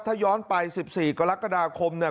ถ้าย้อนไป๑๔กรกฎาคมเนี่ย